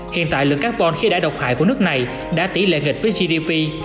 hiện tại lượng carbon khi đã độc hại của nước này đã tỉ lệ nghịch với gdp